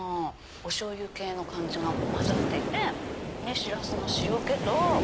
おしょうゆ系の感じが混ざっていてシラスの塩気と。